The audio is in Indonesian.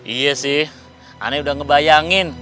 iya sih aneh udah ngebayangin